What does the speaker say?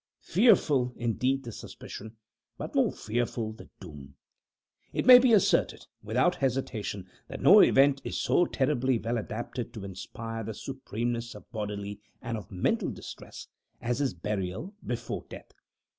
Fearful indeed the suspicion but more fearful the doom! It may be asserted, without hesitation, that no event is so terribly well adapted to inspire the supremeness of bodily and of mental distress, as is burial before death.